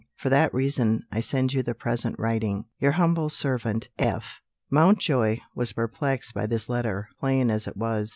For that reason, I send you the present writing. Your humble servant, F." Mountjoy was perplexed by this letter, plain as it was.